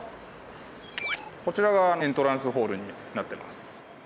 こちらがエントランスホールになってます。